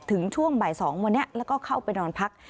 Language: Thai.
ช่วงบ่าย๒วันนี้แล้วก็เข้าไปนอนพัก